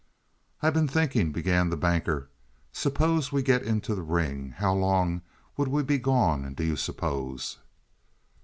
"I've been thinking " began the Banker. "Suppose we get into the ring how long would we be gone, do you suppose?"